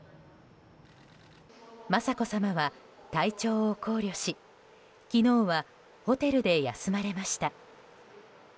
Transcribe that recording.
雅子さまは体調を考慮し昨日はホテルで休まれました。